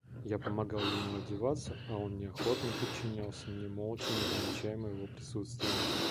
Я помогал ему одеваться, а он неохотно подчинялся мне, молча, не замечая моего присутствия.